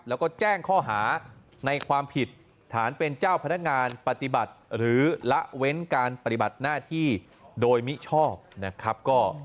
แล้วก็แจ้งข้อหาในความผิดฐานเป็นเจ้าพนักงานปฏิบัติหรือละเว้นการปฏิบัติหน้าที่โดยมิชอบนะครับ